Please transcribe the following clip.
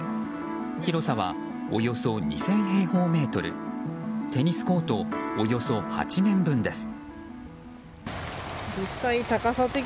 広さはおよそ２０００平方メートルテニスコートおよそ８面分です。